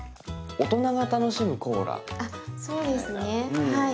大人が楽しむコーラみたいな。